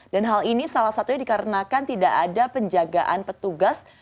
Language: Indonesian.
dan hal ini salah satunya dikarenakan tidak ada penjagaan petugas